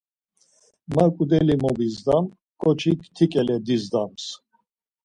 Ma ǩudeli mobizdam, ǩoçik ti ǩele dizdams.